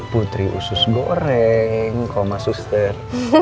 putri usus goreng koma suster